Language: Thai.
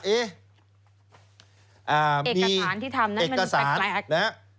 เอกสารที่ทำนั้นไม่ใช่